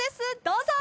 どうぞ！